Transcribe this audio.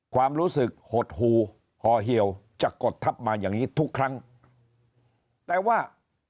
ความรู้สึกหดหูห่อเหี่ยวจะกดทับมาอย่างนี้ทุกครั้งแต่ว่า